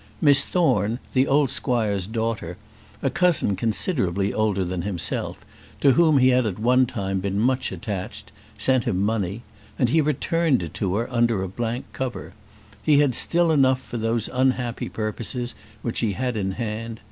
Miss Thorne, the old squire's daughter a cousin considerably older than himself, to whom he had at one time been much attached sent him money; and he returned it to her under a blank cover. He had still enough for those unhappy purposes which he had in hand.